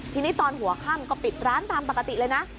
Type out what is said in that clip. ทีนี้ตอนหัวค่ำก็ปิดร้านตามปกติเลยนะ